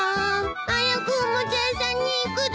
早くおもちゃ屋さんに行くです。